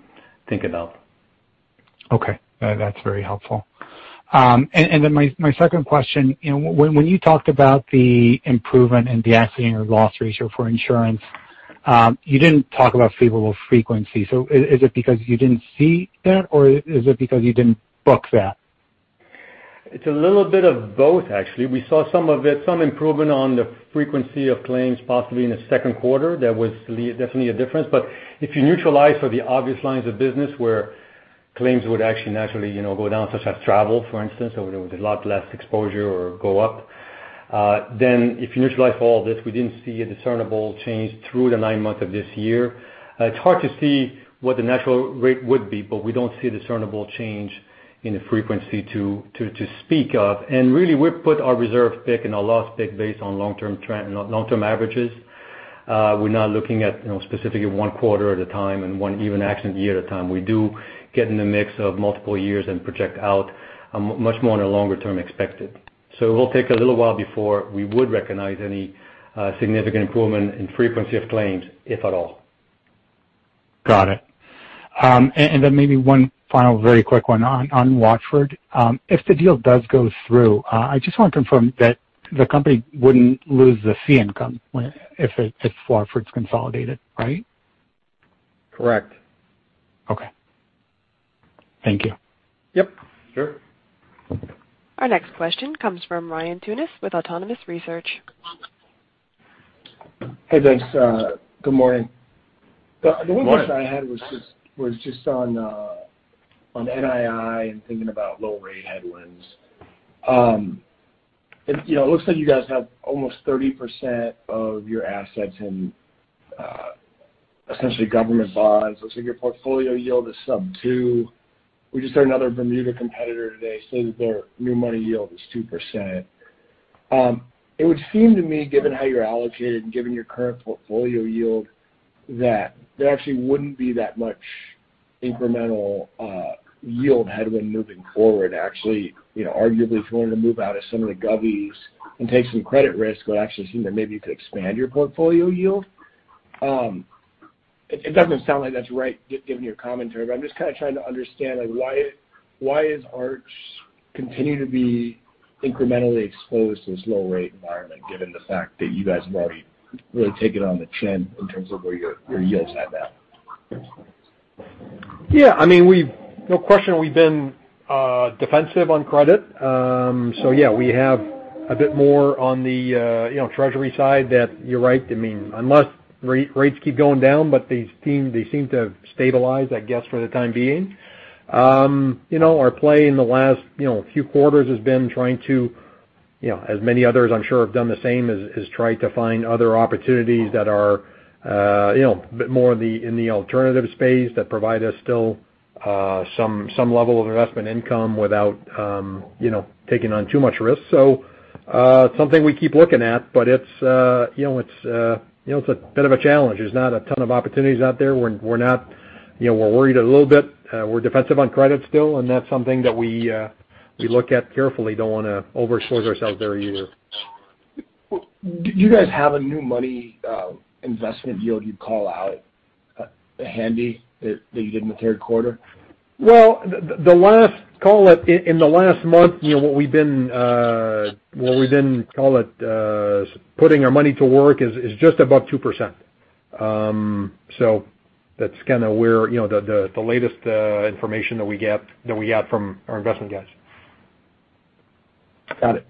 think about. Okay. That's very helpful. And then my second question, when you talked about the improvement in the accident or loss ratio for insurance, you didn't talk about favorable frequency. So is it because you didn't see that, or is it because you didn't book that? It's a little bit of both, actually. We saw some improvement on the frequency of claims possibly in the second quarter. That was definitely a difference. But if you neutralize for the obvious lines of business where claims would actually naturally go down, such as travel, for instance, there was a lot less exposure or go up, then if you neutralize all this, we didn't see a discernible change through the nine months of this year. It's hard to see what the natural rate would be, but we don't see a discernible change in the frequency to speak of, and really, we put our reserve pick and our loss pick based on long-term averages. We're not looking at specifically one quarter at a time and one even accident year at a time. We do get in the mix of multiple years and project out much more on the longer term expected. So it will take a little while before we would recognize any significant improvement in frequency of claims, if at all. Got it. And then maybe one final very quick one on Watford. If the deal does go through, I just want to confirm that the company wouldn't lose the fee income if Watford's consolidated, right? Correct. Okay. Thank you. Yep. Sure. Our next question comes from Ryan Tunis with Autonomous Research. Hey, thanks. Good morning. The one question I had was just on NII and thinking about low rate headwinds. It looks like you guys have almost 30% of your assets in essentially government bonds. It looks like your portfolio yield is sub 2%. We just heard another Bermuda competitor today say that their new money yield is 2%. It would seem to me, given how you're allocated and given your current portfolio yield, that there actually wouldn't be that much incremental yield headwind moving forward. Actually, arguably, if you wanted to move out of some of the govvies and take some credit risk, it would actually seem that maybe you could expand your portfolio yield. It doesn't sound like that's right, given your commentary, but I'm just kind of trying to understand why is Arch continuing to be incrementally exposed to this low-rate environment, given the fact that you guys have already really taken on the chin in terms of where your yields are now? Yeah. I mean, no question. We've been defensive on credit. So yeah, we have a bit more on the Treasury side that you're right. I mean, unless rates keep going down, but they seem to have stabilized, I guess, for the time being. Our play in the last few quarters has been trying to, as many others, I'm sure, have done the same, is try to find other opportunities that are a bit more in the alternative space that provide us still some level of investment income without taking on too much risk. So it's something we keep looking at, but it's a bit of a challenge. There's not a ton of opportunities out there. We're worried a little bit. We're defensive on credit still, and that's something that we look at carefully. Don't want to overexpose ourselves there either. Do you guys have a new money investment yield you'd call out handy that you did in the third quarter? The last, call it, in the last month, what we've been putting our money to work is just above 2%. That's kind of where the latest information that we got from our investment guys. Got it.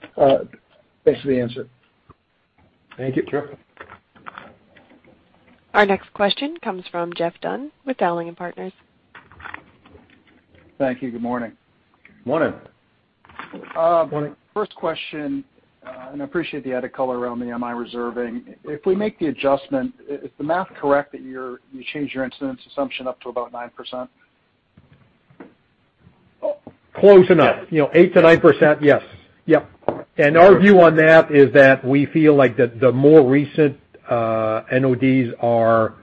Thanks for the answer. Thank you. Sure. Our next question comes from Geoff Dunn with Dowling & Partners. Thank you. Good morning. Good morning. Good morning. First question, and I appreciate the added color around the NII reserving. If we make the adjustment, is the math correct that you change your incidence assumption up to about 9%? Close enough. 8%-9%, yes. Yep. And our view on that is that we feel like the more recent NODs are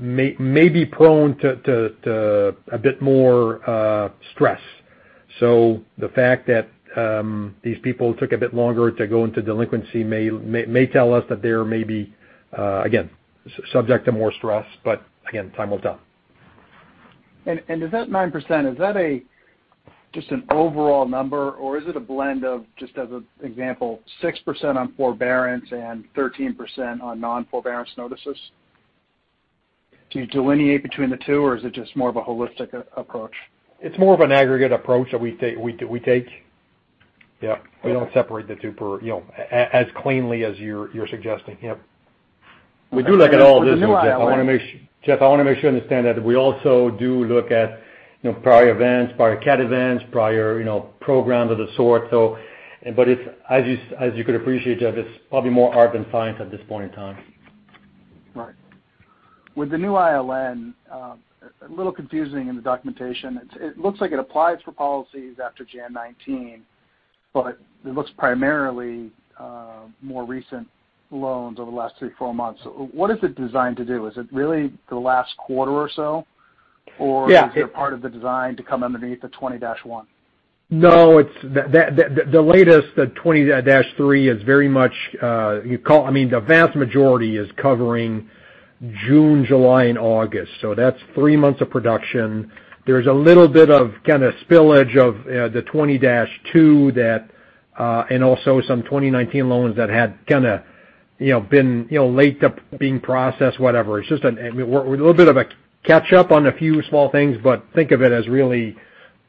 maybe prone to a bit more stress. So the fact that these people took a bit longer to go into delinquency may tell us that they're maybe, again, subject to more stress, but again, time will tell. Is that 9%, is that just an overall number, or is it a blend of, just as an example, 6% on forbearance and 13% on non-forbearance notices? Do you delineate between the two, or is it just more of a holistic approach? It's more of an aggregate approach that we take. Yep. We don't separate the two as cleanly as you're suggesting. Yep. We do look at all of this. Geoff, I want to make sure you understand that we also do look at prior events, prior CAT events, prior programs of the sort. But as you could appreciate, Geoff, it's probably more art than science at this point in time. Right. With the new ILN, a little confusing in the documentation. It looks like it applies for policies after January 2019, but it looks primarily more recent loans over the last three, four months. What is it designed to do? Is it really the last quarter or so, or is there part of the design to come underneath the 2021? No. The latest, the 2023, is very much I mean, the vast majority is covering June, July, and August. So that's three months of production. There's a little bit of kind of spillage of the 2022 and also some 2019 loans that had kind of been late to being processed, whatever. It's just a little bit of a catch-up on a few small things, but think of it as really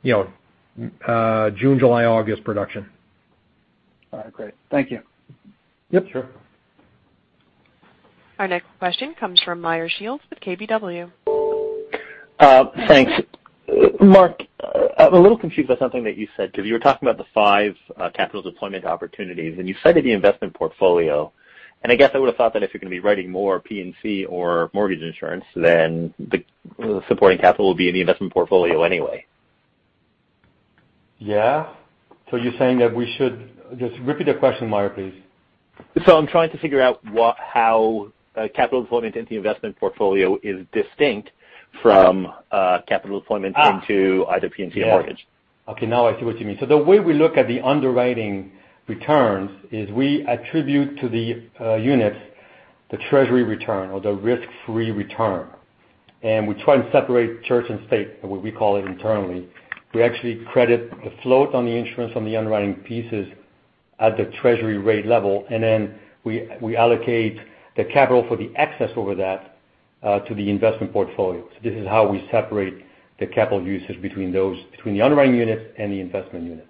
June, July, August production. All right. Great. Thank you. Yep. Sure. Our next question comes from Meyer Shields with KBW. Thanks. Marc, I'm a little confused by something that you said because you were talking about the five capital deployment opportunities, and you cited the investment portfolio. And I guess I would have thought that if you're going to be writing more P&C or mortgage insurance, then the supporting capital will be in the investment portfolio anyway. Yeah. So you're saying that we should just repeat the question, Meyer, please. I'm trying to figure out how capital deployment into investment portfolio is distinct from capital deployment into either P&C or mortgage. Okay. Now I see what you mean. So the way we look at the underwriting returns is we attribute to the units the Treasury return or the risk-free return. And we try and separate church and state, what we call it internally. We actually credit the float on the insurance on the underwriting pieces at the Treasury rate level, and then we allocate the capital for the excess over that to the investment portfolio. So this is how we separate the capital usage between the underwriting units and the investment units.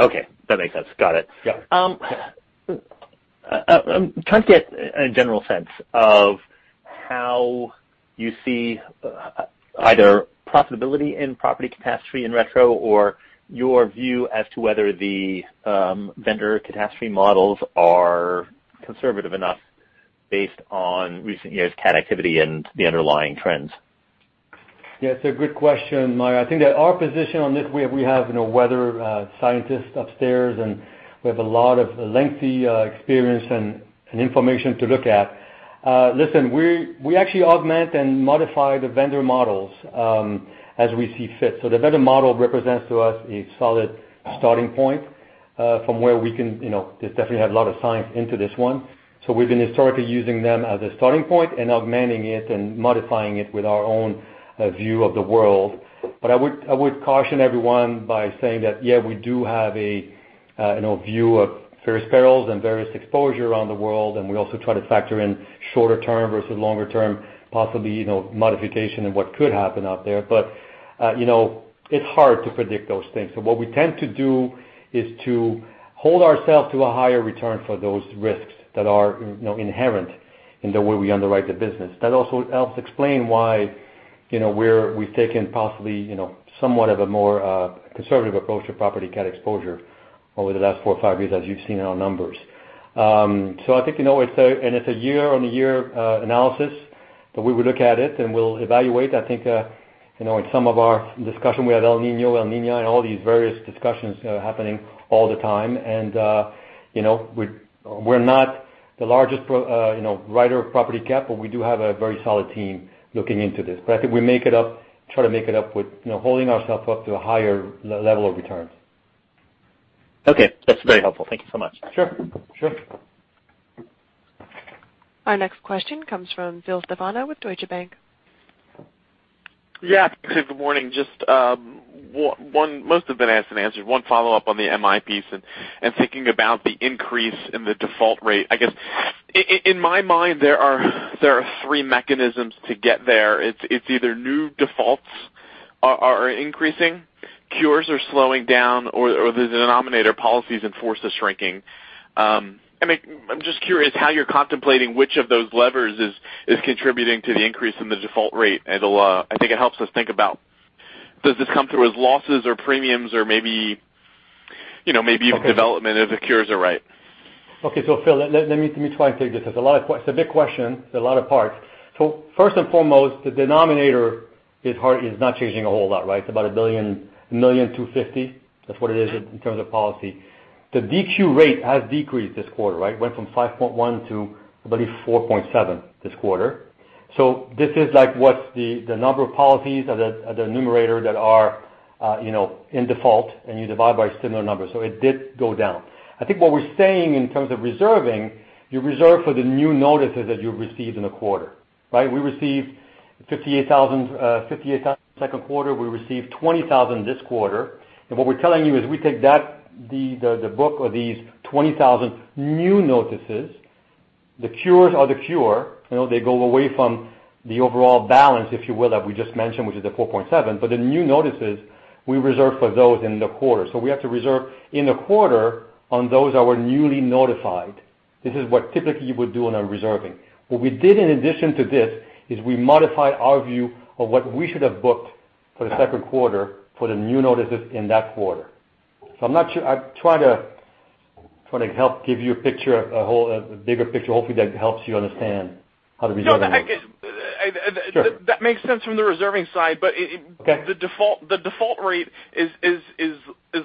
Okay. That makes sense. Got it. I'm trying to get a general sense of how you see either profitability in property catastrophe in retro or your view as to whether the vendor catastrophe models are conservative enough based on recent years' CAT activity and the underlying trends. Yeah. It's a good question, Meyer. I think that our position on this, we have weather scientists upstairs, and we have a lot of lengthy experience and information to look at. Listen, we actually augment and modify the vendor models as we see fit. So the vendor model represents to us a solid starting point from where we can definitely have a lot of science into this one. So we've been historically using them as a starting point and augmenting it and modifying it with our own view of the world. But I would caution everyone by saying that, yeah, we do have a view of various perils and various exposure around the world, and we also try to factor in shorter-term versus longer-term possibly modification and what could happen out there. But it's hard to predict those things. So what we tend to do is to hold ourselves to a higher return for those risks that are inherent in the way we underwrite the business. That also helps explain why we've taken possibly somewhat of a more conservative approach to Property Cat exposure over the last four or five years, as you've seen in our numbers. So I think it's a year-on-year analysis that we would look at it, and we'll evaluate. I think in some of our discussion, we have El Niño, La Niña, and all these various discussions happening all the time. And we're not the largest writer of Property Cat, but we do have a very solid team looking into this. But I think we make it up, try to make it up with holding ourselves up to a higher level of returns. Okay. That's very helpful. Thank you so much. Sure. Sure. Our next question comes from Phil Stefano with Deutsche Bank. Yeah. Good morning. Just one more that's been asked and answered. One follow-up on the MI piece and thinking about the increase in the default rate. I guess in my mind, there are three mechanisms to get there. It's either new defaults are increasing, cures are slowing down, or the denominator policies in force are shrinking. I'm just curious how you're contemplating which of those levers is contributing to the increase in the default rate. I think it helps us think about does this come through as losses or premiums or maybe even development if the cures are right. Okay. So Phil, let me try and take this. It's a big question. It's a lot of parts. So first and foremost, the denominator is not changing a whole lot, right? It's about 1.250 million. That's what it is in terms of policy. The DQ rate has decreased this quarter, right? Went from 5.1% to, I believe, 4.7% this quarter. So this is like what's the number of policies at the numerator that are in default, and you divide by similar numbers. So it did go down. I think what we're saying in terms of reserving, you reserve for the new notices that you received in the quarter, right? We received 58,000 second quarter. We received 20,000 this quarter. And what we're telling you is we take that, the book of these 20,000 new notices, the cures are the cure. They go away from the overall balance, if you will, that we just mentioned, which is the 4.7%. But the new notices, we reserve for those in the quarter. So we have to reserve in the quarter on those that were newly notified. This is what typically you would do on a reserving. What we did in addition to this is we modified our view of what we should have booked for the second quarter for the new notices in that quarter. So I'm not sure. I'm trying to help give you a picture, a bigger picture. Hopefully, that helps you understand how the reserving is. No, I guess that makes sense from the reserving side, but the default rate is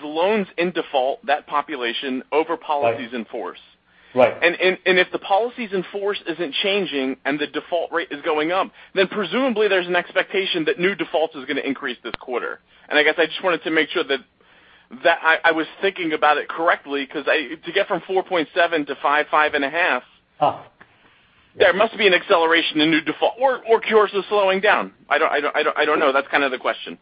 loans in default, that population over policies in force. And if the policies in force isn't changing and the default rate is going up, then presumably there's an expectation that new defaults is going to increase this quarter. And I guess I just wanted to make sure that I was thinking about it correctly because to get from 4.7%-5, 5 1/2, there must be an acceleration in new default or cures are slowing down. I don't know. That's kind of the question.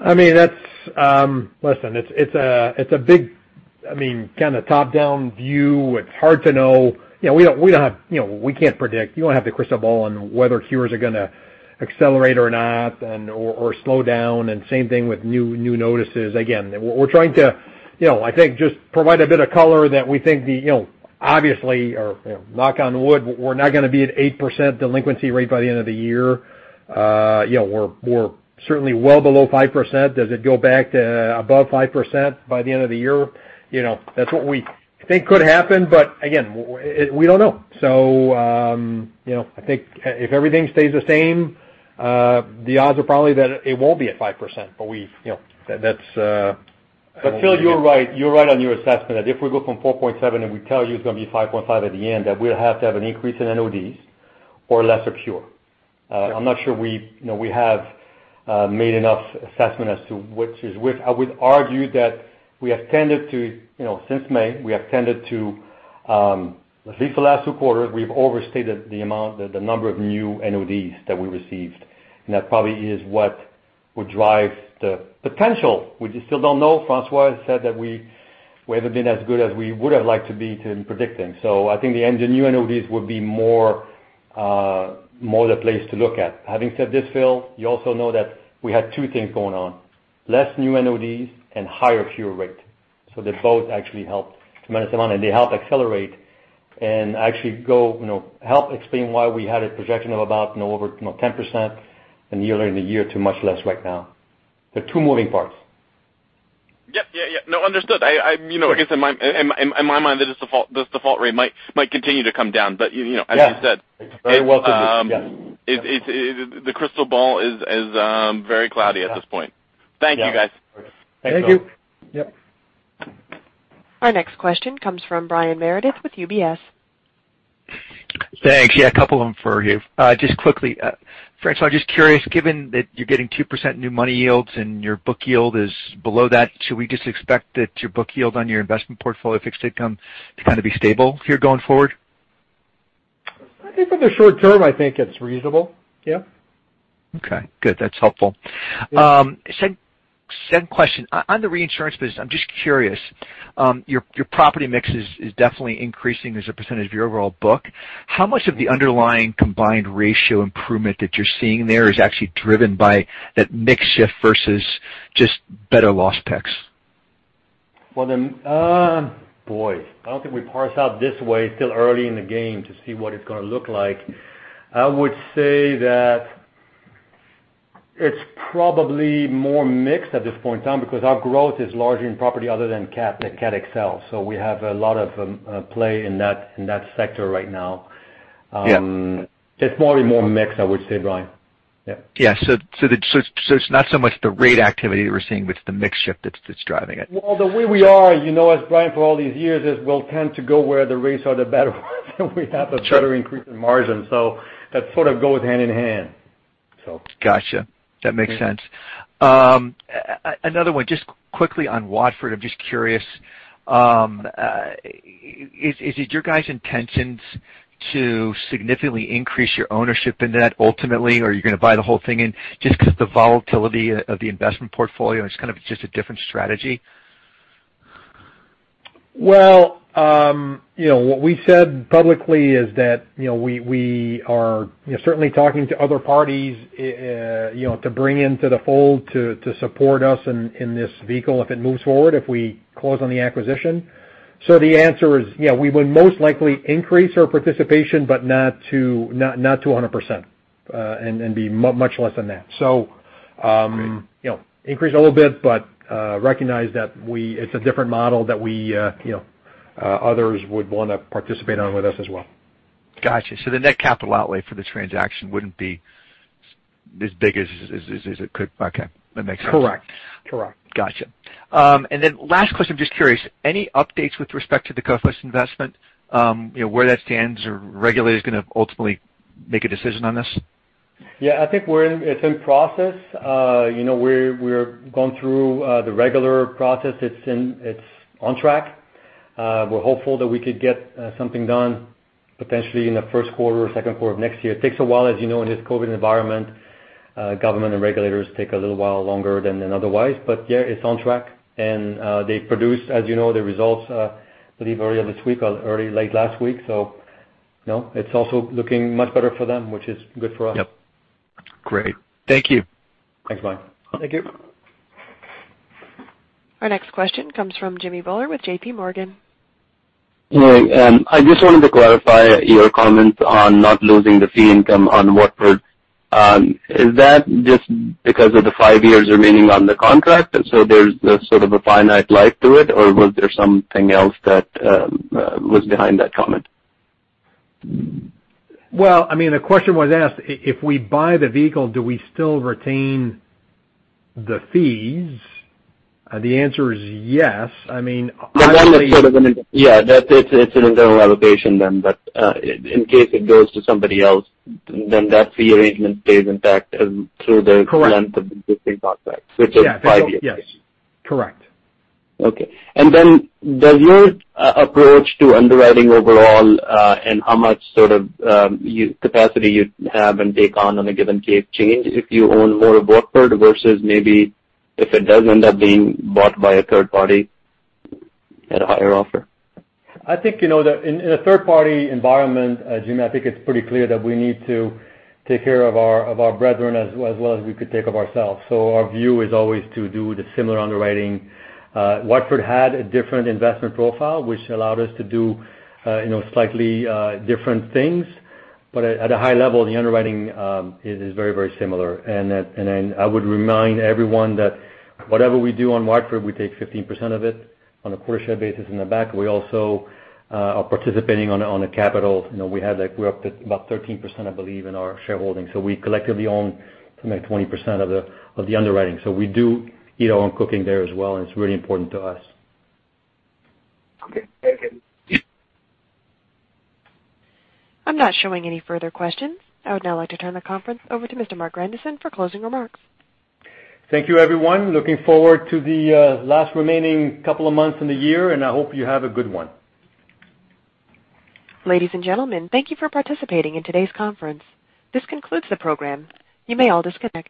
I mean, listen, it's a big, I mean, kind of top-down view. It's hard to know. We don't have. We can't predict. You don't have the crystal ball on whether cures are going to accelerate or not or slow down. And same thing with new notices. Again, we're trying to, I think, just provide a bit of color that we think the obvious, or knock on wood, we're not going to be at 8% delinquency rate by the end of the year. We're certainly well below 5%. Does it go back to above 5% by the end of the year? That's what we think could happen, but again, we don't know. So I think if everything stays the same, the odds are probably that it won't be at 5%, but that's. But Phil, you're right. You're right on your assessment that if we go from 4.7% and we tell you it's going to be 5.5% at the end, that we'll have to have an increase in NODs or lesser cure. I'm not sure we have made enough assessment as to which is. I would argue that we have tended to, since May, we have tended to, at least the last two quarters, we've overstated the number of new NODs that we received. And that probably is what would drive the potential. We still don't know. François said that we haven't been as good as we would have liked to be to predict things. So I think the new NODs would be more the place to look at. Having said this, Phil, you also know that we had two things going on: less new NODs and higher cure rate. So they both actually helped tremendous amount, and they help accelerate and actually help explain why we had a projection of about over 10%, and year-over-year too much less right now. The two moving parts. Yep. Yeah. Yeah. No, understood. I guess in my mind, this default rate might continue to come down, but as you said. Yeah. Very well said. Yes. The crystal ball is very cloudy at this point. Thank you, guys. Thanks. Thank you. Thank you. Yep. Our next question comes from Brian Meredith with UBS. Thanks. Yeah, a couple of them for you. Just quickly, François, just curious, given that you're getting 2% new money yields and your book yield is below that, should we just expect that your book yield on your investment portfolio fixed income to kind of be stable here going forward? I think for the short term, I think it's reasonable. Yeah. Okay. Good. That's helpful. Second question. On the reinsurance business, I'm just curious. Your property mix is definitely increasing as a percentage of your overall book. How much of the underlying combined ratio improvement that you're seeing there is actually driven by that mix shift versus just better loss picks? Boy, I don't think we parse out this way. It's still early in the game to see what it's going to look like. I would say that it's probably more mixed at this point in time because our growth is largely in property other than CAT excess. So we have a lot of play in that sector right now. It's probably more mixed, I would say, Brian. Yeah. Yeah. So it's not so much the rate activity that we're seeing, but it's the mix shift that's driving it. The way we are, as Brian for all these years, is we'll tend to go where the rates are the better ones and we have a better increase in margin. So that sort of goes hand in hand, so. Gotcha. That makes sense. Another one, just quickly on Watford, I'm just curious. Is it your guys' intentions to significantly increase your ownership in that ultimately, or are you going to buy the whole thing in just because of the volatility of the investment portfolio? It's kind of just a different strategy? What we said publicly is that we are certainly talking to other parties to bring into the fold to support us in this vehicle if it moves forward, if we close on the acquisition. The answer is, yeah, we would most likely increase our participation, but not to 100% and be much less than that. Increase a little bit, but recognize that it's a different model that others would want to participate on with us as well. Gotcha. So the net capital outlay for the transaction wouldn't be as big as it could. Okay. That makes sense. Correct. Correct. Gotcha. And then last question, I'm just curious. Any updates with respect to the Coface investment, where that stands, or regulator is going to ultimately make a decision on this? Yeah. I think it's in process. We're going through the regular process. It's on track. We're hopeful that we could get something done potentially in the first quarter or second quarter of next year. It takes a while, as you know, in this COVID environment. Government and regulators take a little while longer than otherwise. But yeah, it's on track. And they've produced, as you know, the results, I believe, earlier this week or late last week. So it's also looking much better for them, which is good for us. Yep. Great. Thank you. Thanks, Brian. Thank you. Our next question comes from Jimmy Bhullar with J.P. Morgan. Hi. I just wanted to clarify your comment on not losing the fee income on Watford. Is that just because of the five years remaining on the contract? So there's sort of a finite life to it, or was there something else that was behind that comment? Well, I mean, the question was asked if we buy the vehicle, do we still retain the fees? The answer is yes. I mean. The one that's sort of. Yeah, it's an internal allocation then. But in case it goes to somebody else, then that fee arrangement stays intact through the length of the existing contract, which is five years. Yes. Yes. Correct. Okay. And then does your approach to underwriting overall and how much sort of capacity you have and take on on a given case change if you own more of Watford versus maybe if it does end up being bought by a third party at a higher offer? I think in a third-party environment, Jimmy, I think it's pretty clear that we need to take care of our brethren as well as we could take care of ourselves. Our view is always to do the similar underwriting. Watford had a different investment profile, which allowed us to do slightly different things. But at a high level, the underwriting is very, very similar. I would remind everyone that whatever we do on Watford, we take 15% of it on a quota share basis in the back. We also are participating on the capital. We're up to about 13%, I believe, in our shareholding. We collectively own something like 20% of the underwriting. We do eat our own cooking there as well, and it's really important to us. Okay. Thank you. I'm not showing any further questions. I would now like to turn the conference over to Mr. Marc Grandisson for closing remarks. Thank you, everyone. Looking forward to the last remaining couple of months in the year, and I hope you have a good one. Ladies and gentlemen, thank you for participating in today's conference. This concludes the program. You may all disconnect.